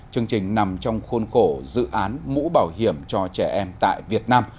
chương trình nằm trong khuôn khổ dự án mũ bảo hiểm cho trẻ em tại việt nam